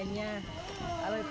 itu kan tiga ribu